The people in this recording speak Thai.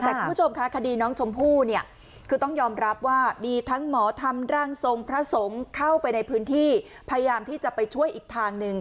แต่คุณผู้ชมค่ะคดีน้องชมพู่เนี่ยคือต้องยอมรับว่ามีทั้งหมอทำร่างทรงพระสงฆ์เข้าไปในพื้นที่พยายามที่จะไปช่วยอีกทางหนึ่ง